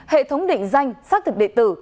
hệ thống định danh xác thực điện tử